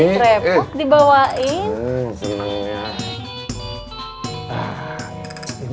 teteh krepuk dibawain